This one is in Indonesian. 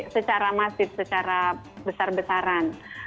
secara masif secara besar besaran